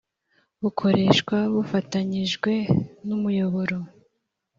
bukoreshwa bufatanyijwe n’umuyoboro